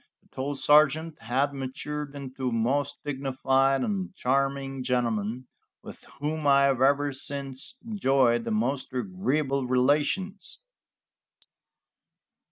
The tall sergeant had matured into a most dignified and charming gentleman, with whom I have ever since enjoyed the most agreeable relations.